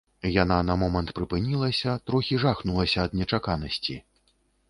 Яна на момант прыпынілася, трохі жахнулася ад нечаканасці.